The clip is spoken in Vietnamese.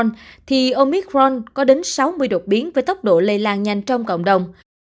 biến thể omicron có đến sáu mươi đột biến với tốc độ lây lan nhanh trong cộng đồng